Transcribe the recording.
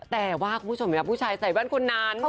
แต่ว่าคุณผู้ชมครับผู้ชายใส่แว่นคนนั้น